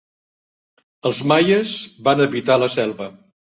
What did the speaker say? Els maies van habitar la selva.